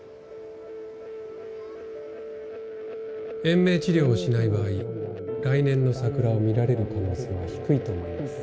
延命治療をしない場合来年の桜を見られる可能性は低いと思います。